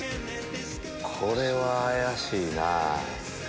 これは怪しいな。